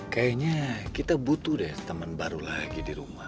kayaknya kita butuh deh teman baru lagi di rumah